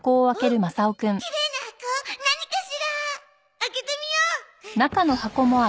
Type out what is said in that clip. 開けてみよう。